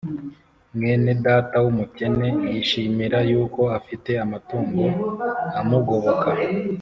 Mwene Data wumukene yishimire yuko afite amatungo amugoboka